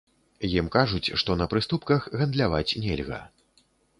Ім кажуць, што на прыступках гандляваць нельга.